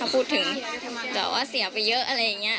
พูดถึงแต่ว่าเสียไปเยอะอะไรอย่างนี้